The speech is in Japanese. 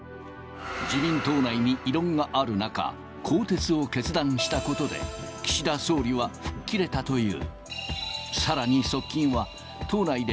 自民党内に異論がある中、更迭を決断したことで、岸田総理は吹っ切れたという。